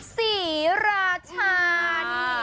ศรีราชานี่